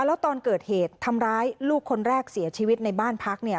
แล้วตอนเกิดเหตุทำร้ายลูกคนแรกเสียชีวิตในบ้านพักเนี่ย